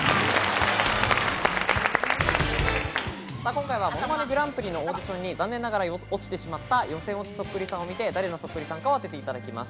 今回は『ものまねグランプリ』のオーディションに残念ながら落ちてしまった予選落ちそっくりさんを見て、誰のそっくりさんかを当てていただきます。